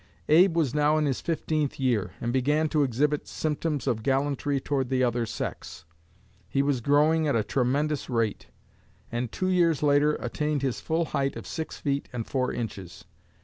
Abe was now in his fifteenth year, and began to exhibit symptoms of gallantry toward the other sex. He was growing at a tremendous rate, and two years later attained his full height of six feet and four inches.